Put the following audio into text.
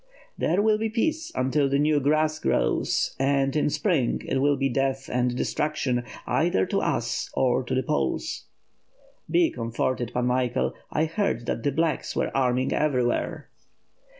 "There will be peace until the new grass grows; and in spring it will be death and destruction — either to us or the Poles." "He comforted, Pan Michael, I heard that the blacks were arming everywhere."